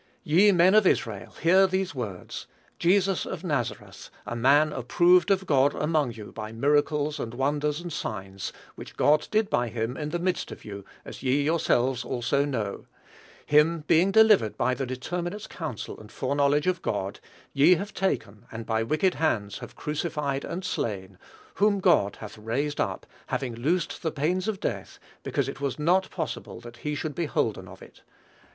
"Ye men of Israel, hear these words: Jesus of Nazareth, a man approved of God among you by miracles, and wonders, and signs, which God did by him in the midst of you, as ye yourselves also know; him, being delivered by the determinate counsel and foreknowledge of God, ye have taken, and by wicked hands have crucified and slain: whom God hath raised up, having loosed the pains of death, because it was not possible that he should be holden of it."